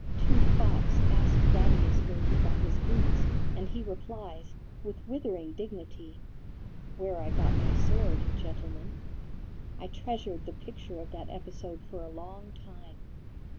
Two fops ask Thaddeus where he got his boots, and he replies, with withering dignity, 'Where I got my sword, gentlemen.' I treasured the picture of that episode for a long time.